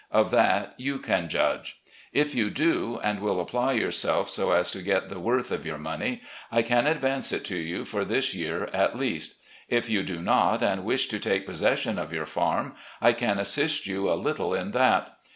Of that you can judge. If you do, and will apply yourself so as to get the worth of your money, I can advance it to you for this year at least. If you do not, and wish to take possession of your farm, I can assist you a little in that.